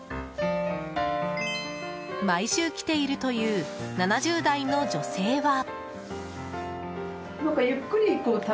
毎週来ているという７０代の女性は。